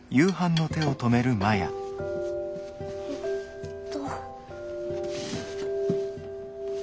えっと。